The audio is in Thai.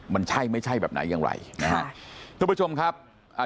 มันใช่ไม่ใช่แบบไหนอย่างไรนะฮะทุกผู้ชมครับอ่า